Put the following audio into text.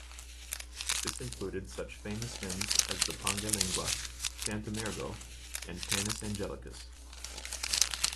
This included such famous hymns as the "Pange lingua, Tantum ergo," and "Panis angelicus".